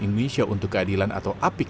indonesia untuk keadilan atau apik